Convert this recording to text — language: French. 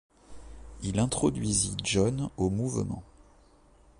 Il introduisit John au mouvement.